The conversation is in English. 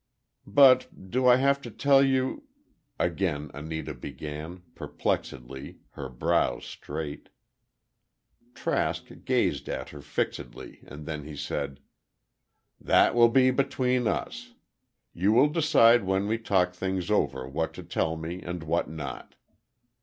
"But do I have to tell you—" again Anita began, perplexedly—her brows straight. Trask gazed at her fixedly, and then he said, "That will be between us. You will decide when we talk things over, what to tell me and what not."